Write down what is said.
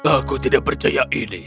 aku tidak percaya ini